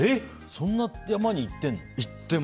そんな山に行ってるの？